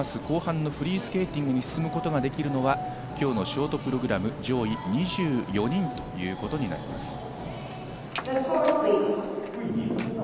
後半のフリースケーティングに進むことができるのは今日のショートプログラム上位２４人ということになります。